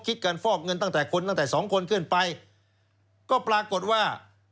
คิดการฟอกเงินตั้งแต่คนตั้งแต่สองคนขึ้นไปก็ปรากฏว่า